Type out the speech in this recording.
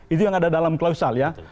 itu yang ada dalam klausal ya